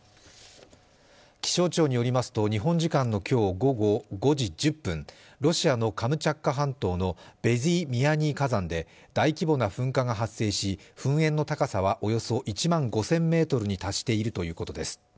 気象庁によりますと日本時間の今日午後５時１０分、ロシアのカムチャツカ半島のベズィミアニィ火山で大規模な噴火が発生し、噴煙の高さはおよそ１万５０００ｍに達しているということです。